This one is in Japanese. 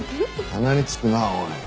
鼻につくなおい。